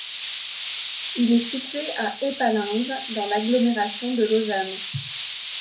Il est situé à Épalinges dans l'agglomération de Lausanne.